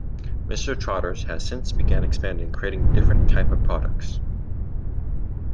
Mr. Trotter's has since began expanding, creating different type of products.